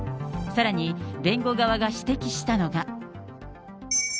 さらに、弁護側が指摘したのが。